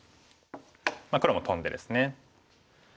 黒もトンでですね。